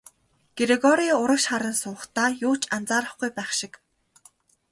Грегори урагш харан суухдаа юу ч анзаарахгүй байх шиг.